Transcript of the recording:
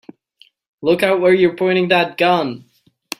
Look out where you're pointing that gun!